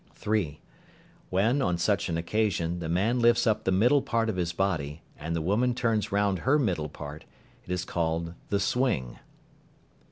(3). When, on such an occasion, the man lifts up the middle part of his body, and the woman turns round her middle part, it is called the "swing."